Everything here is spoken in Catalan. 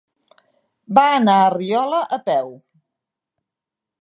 Va anar a Riola a peu.